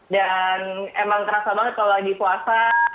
dan emang kerasa banget kalau lagi puasa